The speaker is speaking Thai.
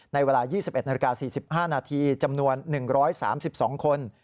ในเวลา๒๑นาฬิกา๔๕นาทีจำนวน๑๓๒คน